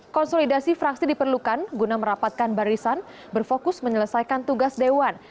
konsolidasi fraksi diperlukan guna merapatkan barisan berfokus menyelesaikan tugas dewan